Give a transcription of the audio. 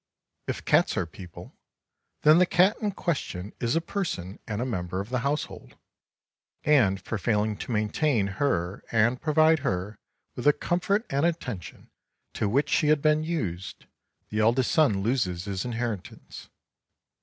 _" If cats are people, then the cat in question is a person and a member of the household, and for failing to maintain her and provide her with the comfort and attention to which she has been used, the eldest son loses his inheritance.